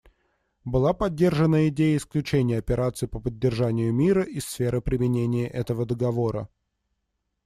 Была поддержана идея исключения операций по поддержанию мира из сферы применения этого договора.